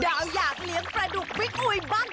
อยากเลี้ยงปลาดุกบิ๊กอุ๋ยบ้าง